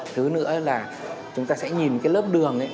thứ nữa là chúng ta sẽ nhìn cái lớp đường ấy